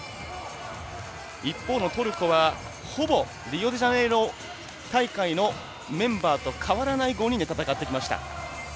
一方のトルコはほぼ、リオデジャネイロ大会とメンバーとかわらない５人で戦ってきました。